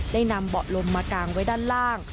ได้นำเบาะลมมากางไว้ด้านล่าง